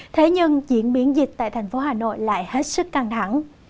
thế nhưng diễn biến dịch tại thành phố hà nội lại hết sức căng thẳng